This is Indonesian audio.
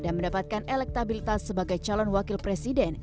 dan mendapatkan elektabilitas sebagai calon wakil presiden